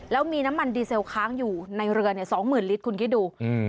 แล้วมีน้ำมันดีเซลค้างอยู่ในเรือเนี่ยสองหมื่นลิตรคุณคิดดู